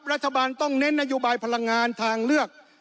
รัฐบาลต้องเน้นนโยบายพลังงานทางเลือก